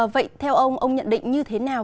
vậy theo ông ông nhận định như thế nào